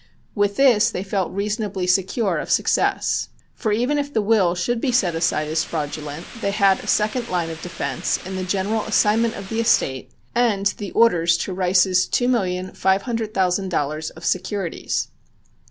With this they felt reasonably secure of success. For even if the will should be set aside as fraudulent they had a second line of defense in the general assignment of the estate and the orders to Rice's two million five hundred thousand dollars of securities.